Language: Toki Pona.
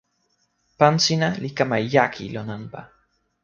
pan sina li kama jaki lon anpa.